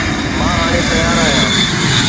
مان هاڻي تيار آهيان